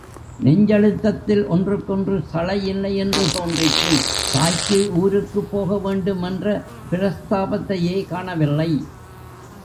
நெஞ்சழுத்தத்தில் ஒன்றுக்கொன்று சளையில்லை என்று தோன்றிற்று தாய்க்கு, ஊருக்குப் போகவேண்டும் என்ற பிரஸ்தாபத்தையே காணவில்லை.